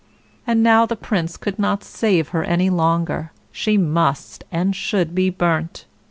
And now the Prince could not save her any longer. She must and should be burnt.